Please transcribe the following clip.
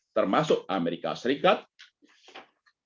termasuk amerika serikat dan amerika serikat